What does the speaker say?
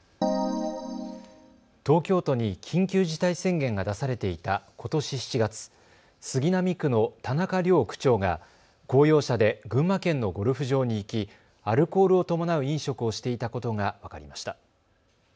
東京都に緊急事態宣言が出されていた、ことし７月、杉並区の田中良区長が公用車で群馬県のゴルフ場に行きアルコールを伴う飲食をしていたことが分かりました。